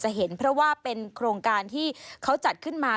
เห็นเพราะว่าเป็นโครงการที่เขาจัดขึ้นมา